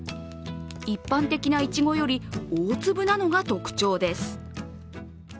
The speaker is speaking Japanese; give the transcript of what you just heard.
一般的ないちごより大粒なのが特徴です。